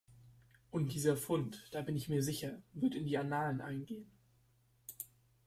Und dieser Fund, da bin ich mir sicher, wird in die Annalen eingehen.